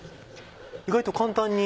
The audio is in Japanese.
意外と簡単に。